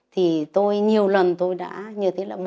thì tôi nhiều lần tôi đã như thế là